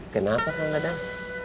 kenapa kang dadang